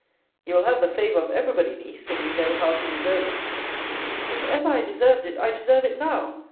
You will have the favour of every body, Niece, when you know how to deserve it. If ever I deserved it, I deserve it now.